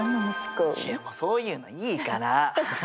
いやそういうのいいから。